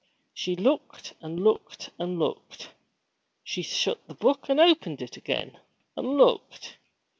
She looked and looked and looked. She shut the book and opened it again, and looked.